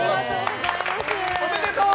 おめでとう！